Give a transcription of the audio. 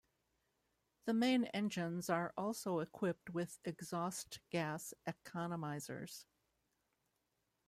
The main engines are also equipped with exhaust gas economizers.